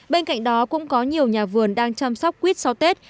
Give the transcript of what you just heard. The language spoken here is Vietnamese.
bên cạnh đó cũng có nhiều nhà vườn đang chăm sóc quýt sau tết